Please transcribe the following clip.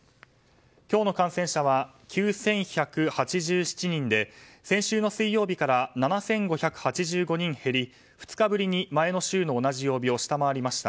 今日の感染者は９１８７人で先週の水曜日から７５８５人減り２日ぶりに前の週の同じ曜日を下回りました。